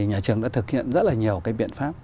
nhà trường đã thực hiện rất là nhiều cái biện pháp